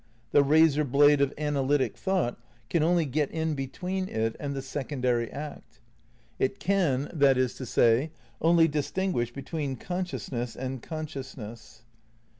The razor blade of analytic thought can only get in between it IX RECONSTRUCTION OF IDEALISM 277 and the secondary act. It can, that is to say, only dis tinguish between consciousness and consciousness.